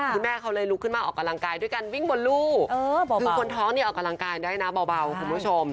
คุณแม่เขาเลยลุกขึ้นมาออกกำลังกายด้วยการวิ่งบนลูกคือคนท้องเนี่ยออกกำลังกายได้นะเบาคุณผู้ชม